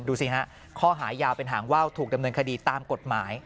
ดูสิฮะข้อหายาวเป็นหางว่าวถูกดำเนินคดีตามกฎหมาย